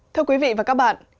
thưa quý vị và các bạn